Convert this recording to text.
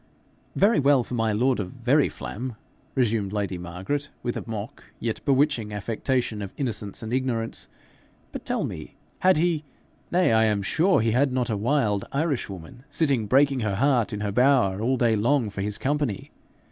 'Very well for my lord of Veryflam!' resumed lady Margaret, with a mock, yet bewitching affectation of innocence and ignorance; 'but tell me had he? nay, I am sure he had not a wild Irishwoman sitting breaking her heart in her bower all day long for his company.